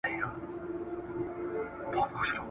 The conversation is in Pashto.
د تعلیم له امله کلیواله ټولنه ډیره فعاله او مشغوله کېږي.